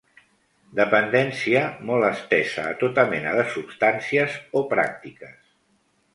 Dependència molt estesa a tota mena de substàncies o pràctiques.